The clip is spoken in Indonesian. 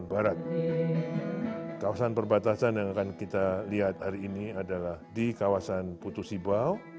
pertama jalan perbatasan kalsassday